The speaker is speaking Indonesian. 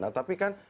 nah tapi kan